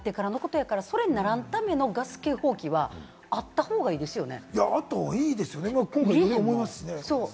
火災になってからのことだからそれにならんためのガス警報器はあった方がいいですよね。